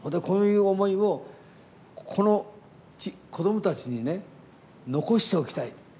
こういう思いを子どもたちに残しておきたい。